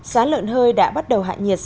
sáng lợn hơi đã bắt đầu hạ nhiệt sáng